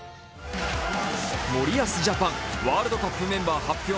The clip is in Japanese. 森保ジャパン、ワールドカップメンバー発表